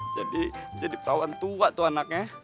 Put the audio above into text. jadi jadi petawan tua tuh anaknya